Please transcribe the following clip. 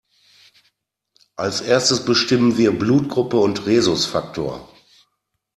Als Erstes bestimmen wir Blutgruppe und Rhesusfaktor.